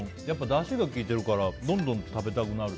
だしが利いてるからどんどん食べたくなる。